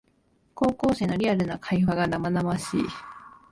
高校生のリアルな会話が生々しい